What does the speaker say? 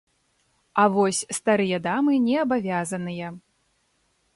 А вось старыя дамы не абавязаныя.